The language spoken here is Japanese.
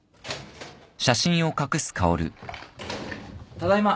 ・・ただいま。